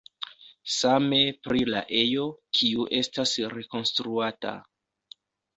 Same pri la ejo, kiu estas rekonstruata.